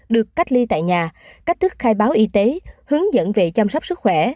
được cách ly tại nhà cách thức khai báo y tế hướng dẫn về chăm sóc sức khỏe